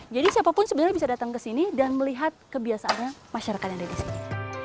jadi siapapun sebenarnya bisa datang ke sini dan melihat kebiasaannya masyarakat yang ada di sini